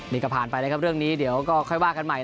ดีกะผ่านไปไปเรื่องนี้เดี๋ยวก็ค่อยว่างันใหม่